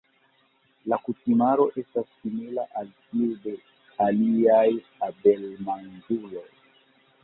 La kutimaro estas simila al tiu de aliaj abelmanĝuloj.